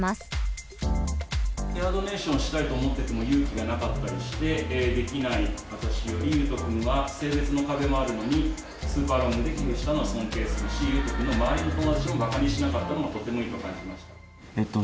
ヘアドネーションしたいと思ってても勇気がなかったりしてできない私よりゆうと君は性別の壁もあるのにスーパーロングで寄付したのは尊敬するしゆうと君の周りの友達もバカにしなかったのがとてもいいと感じました。